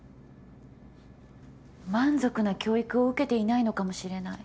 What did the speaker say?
満足な教育を受けていないのかもしれない。